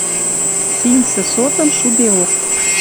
Симсӹ сотым шудеок.